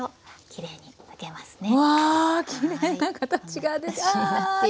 きれいな形が出て。